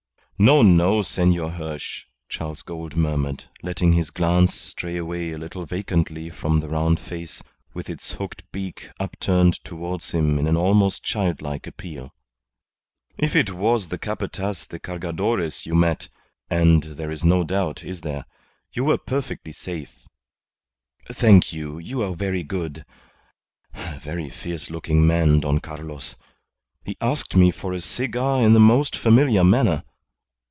"No, no, Senor Hirsch," Charles Gould murmured, letting his glance stray away a little vacantly from the round face, with its hooked beak upturned towards him in an almost childlike appeal. "If it was the Capataz de Cargadores you met and there is no doubt, is there? you were perfectly safe." "Thank you. You are very good. A very fierce looking man, Don Carlos. He asked me for a cigar in a most familiar manner.